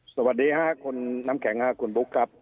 สวัสดีค่ะคุณน้ำแข็งคุณบุ๊คครับ